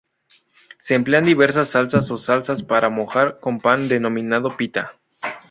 Se emplean diversas salsas o salsas para mojar con pan denominado pita.